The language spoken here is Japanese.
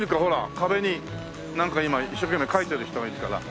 壁になんか今一生懸命描いてる人がいるから。